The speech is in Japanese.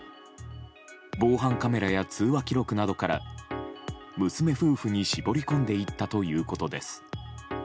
防犯カメラや通話記録などから娘夫婦に絞り込んでいったということです。